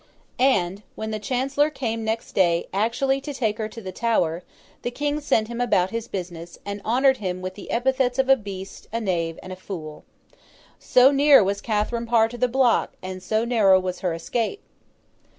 And, when the Chancellor came next day actually to take her to the Tower, the King sent him about his business, and honoured him with the epithets of a beast, a knave, and a fool. So near was Catherine Parr to the block, and so narrow was her escape!